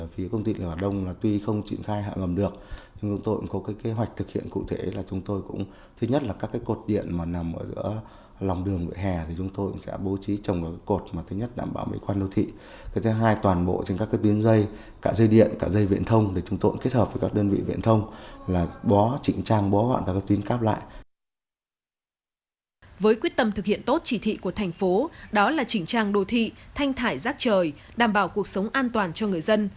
với quyết tâm thực hiện tốt chỉ thị của thành phố đó là chỉnh trang đô thị thanh thải rác trời đảm bảo cuộc sống an toàn cho người dân